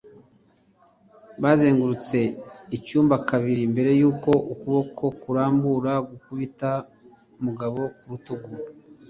Bazengurutse icyumba kabiri mbere yuko ukuboko kurambura gukubita Mugabo ku rutugu.